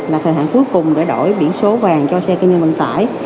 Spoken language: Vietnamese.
là thời hạn cuối cùng để đổi biển số vàng cho xe kinh doanh vận tải